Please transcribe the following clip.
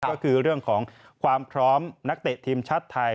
ก็คือเรื่องของความพร้อมนักเตะทีมชาติไทย